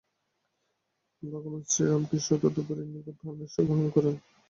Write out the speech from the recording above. ভগবান শ্রীরামকৃষ্ণ তোতাপুরীর নিকট সন্ন্যাস গ্রহণ করেন।